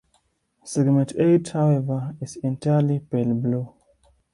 Segment eight, however, is entirely pale blue.